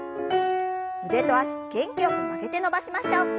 腕と脚元気よく曲げて伸ばしましょう。